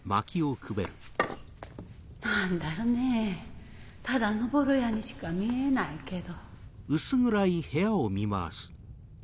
何だろねぇただのボロ屋にしか見えないけど。